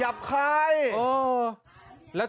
หัวดูลาย